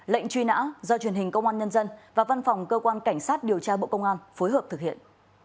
lệnh truy nã do truyền hình công an nhân dân và văn phòng cơ quan cảnh sát điều tra bộ công an phối hợp thực hiện